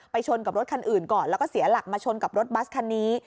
ชนกับรถคันอื่นก่อนแล้วก็เสียหลักมาชนกับรถบัสคันนี้